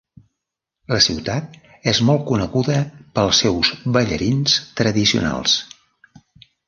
La ciutat és molt coneguda pels seus ballarins tradicionals.